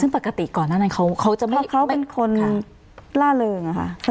ซึ่งปกติก่อนหน้านั้นเขาจะไม่เขาเป็นคนล่าเริงอะค่ะ